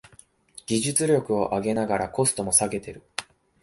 技術力を上げながらコストも下げてる